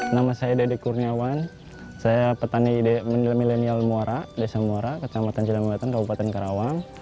nama saya dede kurniawan saya petani milenial muara desa muara kecamatan jelambatan kabupaten karawang